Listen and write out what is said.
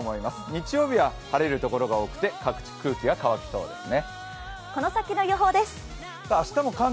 日曜日は晴れる所が多くて各地、空気が乾きそうですね。